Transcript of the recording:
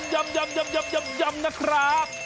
ยำนะยำนะครับ